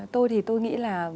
tôi thì tôi nghĩ là